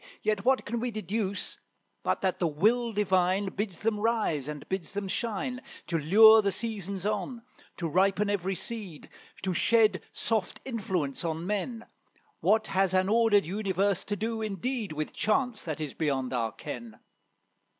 Yet what can we deduce but that the will Divine Bids them rise and bids them shine, To lure the seasons on, to ripen every seed, To shed soft influence on men; What has an ordered universe to do indeed, With chance, that is beyond our ken.